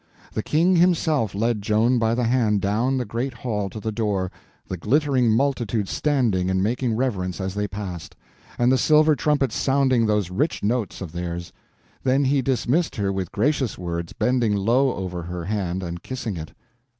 The King himself led Joan by the hand down the great hall to the door, the glittering multitude standing and making reverence as they passed, and the silver trumpets sounding those rich notes of theirs. Then he dismissed her with gracious words, bending low over her hand and kissing it.